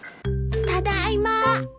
ただいま。